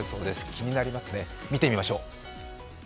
気になりますね、見てみましょう。